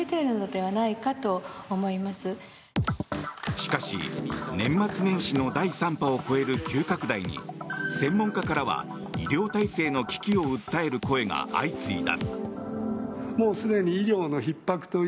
しかし、年末年始の第３波を超える急拡大に専門家からは医療体制の危機を訴える声が相次いだ。